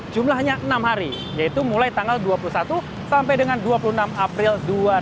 jumlahnya enam hari yaitu mulai tanggal dua puluh satu sampai dengan dua puluh enam april dua ribu dua puluh